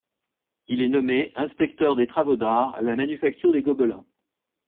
Il est nommé inspecteur des travaux d'art à la Manufacture des Gobelins.